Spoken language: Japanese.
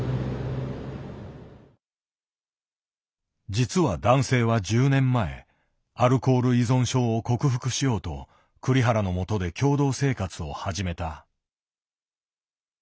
実は男性は１０年前アルコール依存症を克服しようと栗原のもとで共同生活を始めた。